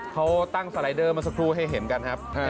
เขาตั้งสไลเดอร์มาสักครู่ให้เห็นกันครับ